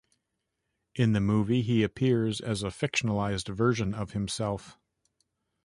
In the movie he appears as a fictionalized version of himself.